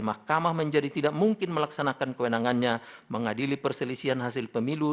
mahkamah menjadi tidak mungkin melaksanakan kewenangannya mengadili perselisihan hasil pemilu